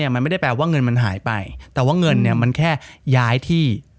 มันไม่ได้แปลว่าเงินมันหายไปแต่ว่าเงินมันแค่ย้ายที่